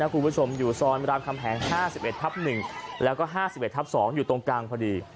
คุณผู้ชมอยู่ซอยรามคำแหง๕๑ทับ๑แล้วก็๕๑ทับ๒อยู่ตรงกลางพอดี